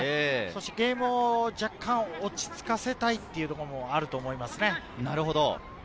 ゲームを若干、落ち着かせたいというのもあると思いますね。